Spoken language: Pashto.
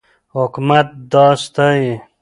حکومت دا ستایي.